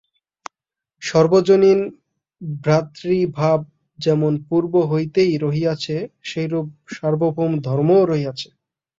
সর্বজনীন ভ্রাতৃভাব যেমন পূর্ব হইতেই রহিয়াছে, সেইরূপ সার্বভৌম ধর্মও রহিয়াছে।